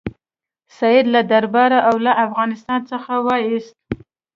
سید له درباره او له افغانستان څخه وایست.